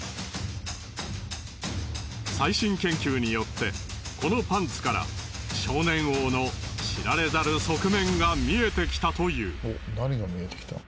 最新研究によってこのパンツから少年王の知られざる側面が見えてきたという。